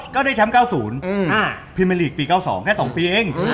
ก็ได้แชมป์๙๐พิมเมอร์ลีกปี๙๒แค่๒ปีเอง